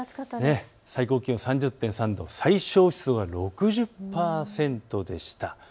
最高気温３０．３度、最小湿度は６０％でした。